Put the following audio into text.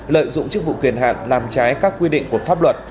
lợi dụng chức vụ quyền hạn làm trái các quy định của pháp luật